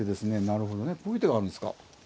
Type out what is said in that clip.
なるほどねこういう手があるんですか。